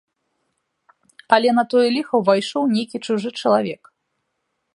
Але на тое ліха ўвайшоў нейкі чужы чалавек.